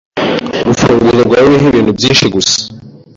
Urufunguzo rwari ruriho ibintu byinshi gusa